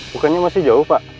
bukannya masih jauh pak